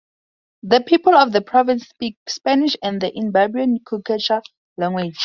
The people of the province speak Spanish and the Imbaburan Quechua language.